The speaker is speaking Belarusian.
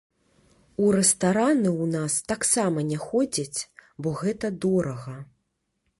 У рэстараны ў нас таксама не ходзяць, бо гэта дорага.